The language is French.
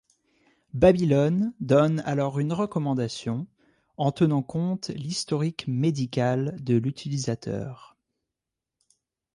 Babylone donne alors une recommandation, en tenant compte l'historique médical de l'utilisateur.